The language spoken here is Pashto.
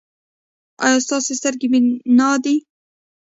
ایا ستاسو سترګې بینا دي؟